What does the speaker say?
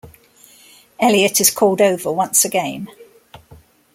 Eliot is called over once again.